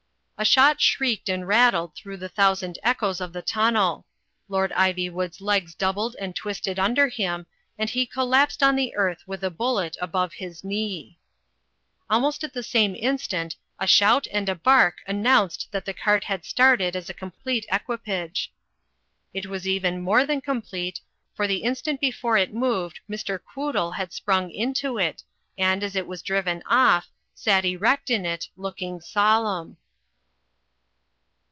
A shot shrieked and rattled through the thousand echoes of the tunnel. Lord Ivywood's legs doubled and twisted under him, and he collapsed on the earth with a bullet above his knee. Almost at the same instant a shout and a bark an notmced that the cart had started as a complete equip age. It was even more than complete, for the instant before it moved Mr. Quoodle had sprung into it, and, as it was driven off, sat erect in it, looking solemn.